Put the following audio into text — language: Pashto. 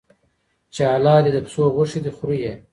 چي حلالي د پشو غوښي دي خوری یې